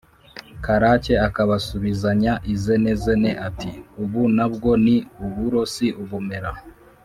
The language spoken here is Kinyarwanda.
karake akabasubizanya izenezene ati: “ubu na bwo ni uburo si ubumera?”